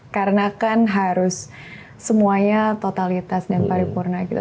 karena kan harus semuanya totalitas dan paripurna gitu